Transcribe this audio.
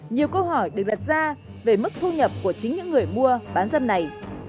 nhiều câu hỏi được đặt ra về mức thu nhập của chính những người mua bán dâm này